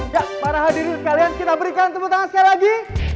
ya para hadirin sekalian kita berikan tepuk tangan sekali lagi